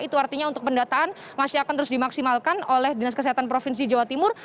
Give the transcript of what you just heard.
itu artinya untuk pendataan masih akan terus dimaksimalkan oleh dinas kesehatan provinsi jawa timur